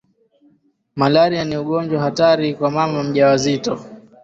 malaria ni ugonjwa hatari kwa mama mjawazito